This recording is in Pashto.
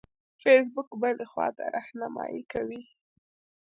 فیسبوک بلې خواته رهنمایي کوي.